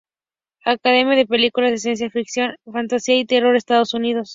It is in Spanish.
Academia de películas de ciencia-ficción, fantasía y terror, Estados Unidos